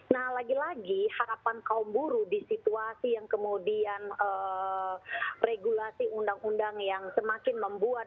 nah lagi lagi harapan kaum buruh di situasi yang kemudian regulasi undang undang yang semakin membuat